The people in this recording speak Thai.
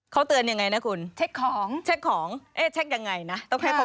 เขาเตือนอย่างไรนะคุณ